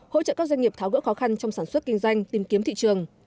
hỗ trợ các doanh nghiệp tháo gỡ khó khăn trong sản xuất kinh doanh tìm kiếm thị trường